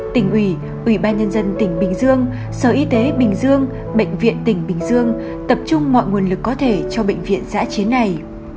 tỉnh ủy ủy ban nhân dân tỉnh bình dương sở y tế bình dương bệnh viện tỉnh bình dương tập trung mọi nguồn lực có thể cho bệnh viện giã chiến này